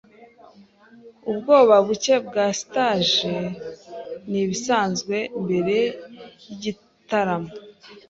Ubwoba buke bwa stage nibisanzwe mbere yigitaramo.